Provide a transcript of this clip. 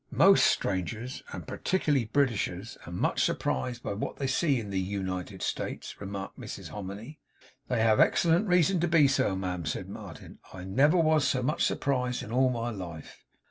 'Most strangers and partick'larly Britishers are much surprised by what they see in the U nited States,' remarked Mrs Hominy. 'They have excellent reason to be so, ma'am,' said Martin. 'I never was so much surprised in all my life.